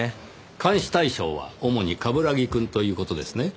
監視対象は主に冠城くんという事ですね？